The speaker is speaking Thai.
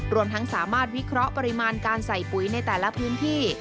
รวมทั้งสามารถวิเคราะห์ปริมาณการใส่ปุ๋ยในแต่ละพื้นที่